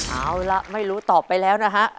เอาล่ะไม่รู้ตอบไปแล้วนะฮะ